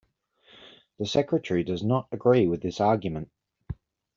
The Secretary does not agree with this argument.